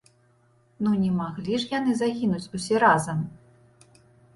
Ну не маглі ж яны згінуць усе разам!